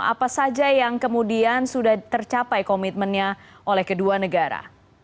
apa saja yang kemudian sudah tercapai komitmennya oleh kedua negara